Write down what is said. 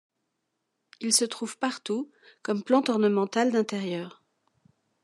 Il se trouve partout comme plante ornementale d'intérieur.